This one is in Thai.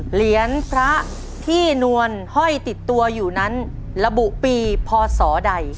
เหรียญพระที่นวลห้อยติดตัวอยู่นั้นระบุปีพศใด